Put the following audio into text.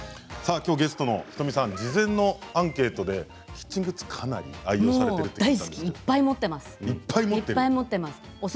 きょうゲストの仁美さん事前のアンケートでキッチングッズをかなり大好き、いっぱい持っています。